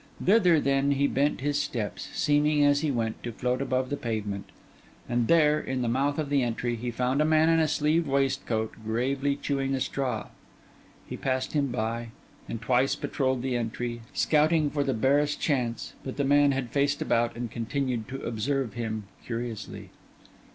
Thither, then, he bent his steps, seeming, as he went, to float above the pavement; and there, in the mouth of the entry, he found a man in a sleeved waistcoat, gravely chewing a straw. He passed him by, and twice patrolled the entry, scouting for the barest chance; but the man had faced about and continued to observe him curiously.